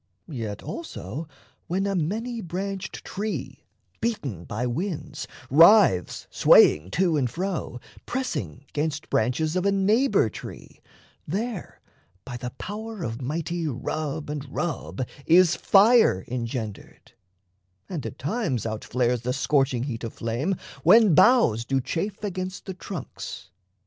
Yet also when a many branched tree, Beaten by winds, writhes swaying to and fro, Pressing 'gainst branches of a neighbour tree, There by the power of mighty rub and rub Is fire engendered; and at times out flares The scorching heat of flame, when boughs do chafe Against the trunks.